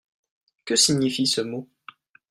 Que signifie ce mot ?